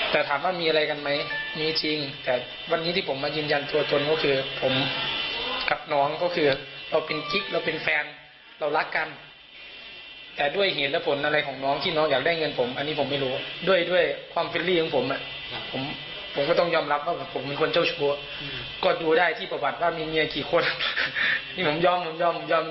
แต่ถามว่ามีอะไรกันไหมมีจริงแต่วันนี้ที่ผมมายืนยันตัวตนก็คือผมกับน้องก็คือเราเป็นคิกเราเป็นแฟนเรารักกันแต่ด้วยเหตุและผลอะไรของน้องที่น้องอยากได้เงินผมอันนี้ผมไม่รู้ด้วยด้วยความฟิลลี่ของผมอ่ะผมผมก็ต้องยอมรับว่าผมเป็นคนเจ้าชู้ก็ดูได้ที่ประวัติว่ามีเมียกี่คนนี่ผมยอมผมยอมยอม